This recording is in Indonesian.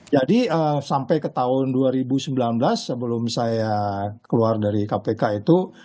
jadi sampai ke tahun dua ribu sembilan belas sebelum saya keluar dari kpk itu